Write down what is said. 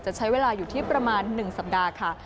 จะใช้เวลาอยู่ที่ประมาณ๑สัปดาห์ค่ะ